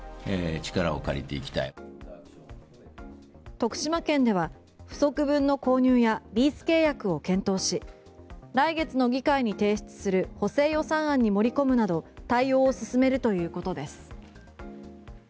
徳島県では、不足分の購入やリース契約を検討し来月の議会に提出する補正予算案に盛り込むなど対応を進めるということです。